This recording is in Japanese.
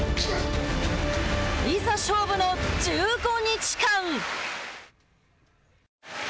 いざ勝負の１５日間。